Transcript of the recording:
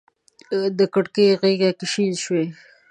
د کړکۍ غیږ کي شین شوی